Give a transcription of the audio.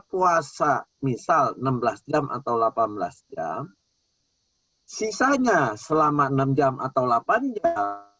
puasa misal enam belas jam atau delapan belas jam sisanya selama enam jam atau delapan jam